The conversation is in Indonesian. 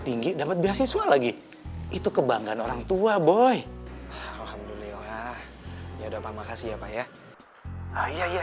tinggi dapat beasiswa lagi itu kebanggaan orangtua boy alhamdulillah ya udah makasih ya pak ya iya